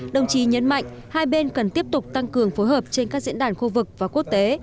đồng chí nhấn mạnh hai bên cần tiếp tục tăng cường phối hợp trên các diễn đàn khu vực và quốc tế